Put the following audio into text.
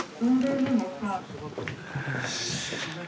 よし。